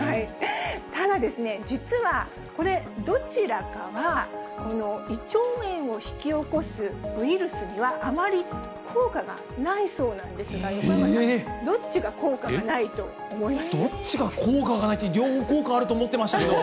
ただですね、実はこれ、どちらかは胃腸炎を引き起こすウイルスには、あまり効果がないそうなんですが、横山さん、どっちが効果がないとどっちが効果がないって、両方効果あると思いましたけれども。